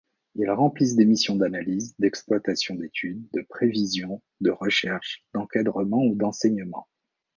Ils remplissent des missions d'analyse, d’exploitation, d’études, de prévisions, de recherche, d'encadrement ou d’enseignement.